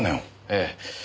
ええ。